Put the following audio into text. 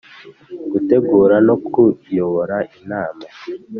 Gutegura no kuyobora Inama